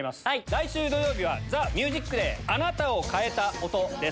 来週土曜日は『ＴＨＥＭＵＳＩＣＤＡＹ』「あなたを変えた音」です。